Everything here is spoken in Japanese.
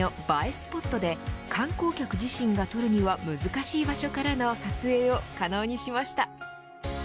スポットで観光客自身が撮るには難しい場所からの撮影を可能にしました。